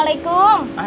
kenapa cuaca wes gana